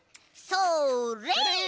それ！